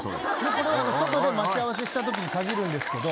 外で待ち合わせしたときに限るんですけど。